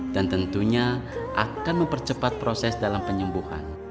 dan tentunya akan mempercepat proses dalam penyembuhan